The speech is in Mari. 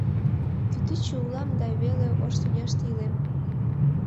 Кӱтӱчӧ улам да веле ош тӱняште илем.